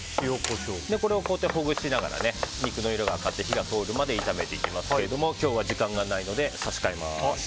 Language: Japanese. こうやってほぐしながら肉の色が変わって火が通るまで炒めていきますけど今日は時間がないので差し替えます。